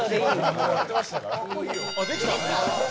あできた？